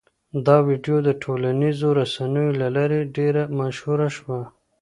دا ویډیو د ټولنیزو رسنیو له لارې ډېره مشهوره شوه.